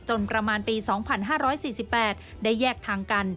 ประมาณปี๒๕๔๘ได้แยกทางกัน